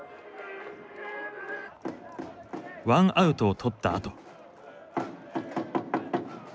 １アウトを取ったあと。